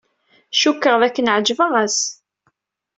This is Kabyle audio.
Cukkteɣ dakken ɛejbeɣ-as.